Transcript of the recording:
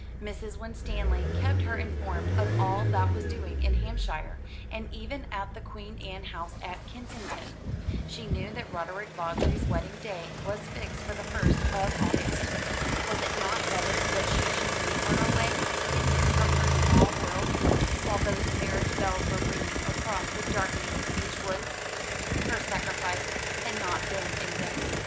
Mrs. Winstanley kept her informed of all that was doing in Hampshire, and even at the Queen Anne house at Kensington. She knew that Roderick Vawdrey's wedding day was fixed for the first of August. Was it not better that she should be far away, hidden from her small world; while those marriage bells were ringing across the darkening beech woods? Her sacrifice had not been in vain.